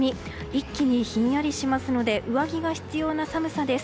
一気にひんやりしますので上着が必要な寒さです。